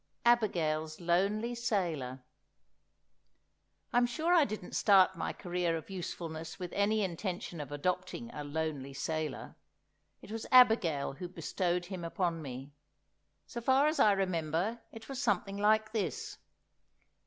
XIII Abigail's "Lonely Sailor" I'M sure I didn't start my career of usefulness with any intention of adopting a "lonely sailor." It was Abigail who bestowed him upon me. So far as I remember, it was something like this.